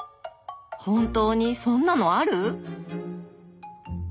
本当にそんなのある？